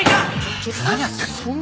ちょっと何やってんの。